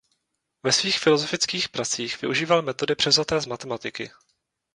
Ve svých filozofických pracích využíval metody převzaté z matematiky.